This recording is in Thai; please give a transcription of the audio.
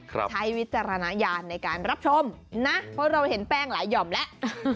ใช้วิจารณญาณในการรับชมนะเพราะเราเห็นแป้งหลายหย่อมแล้ว